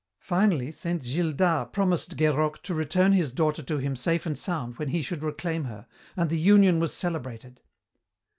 Finally Saint Gildas promised Guerock to return his daughter to him safe and sound when he should reclaim her, and the union was celebrated.